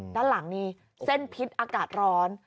ด้านหลังนี่เส้นพิษอากาศร้อน